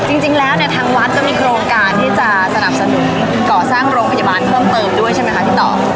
จริงแล้วเนี่ยทางวัดจะมีโครงการที่จะสนับสนุนก่อสร้างโรงพยาบาลเพิ่มเติมด้วยใช่ไหมคะพี่ต่อ